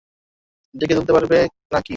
ডেকে তুলতে পারবে নাকি না?